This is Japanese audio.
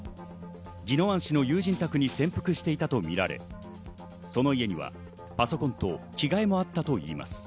宜野湾市の友人宅に潜伏していたとみられ、その家にはパソコンと着替えもあったといいます。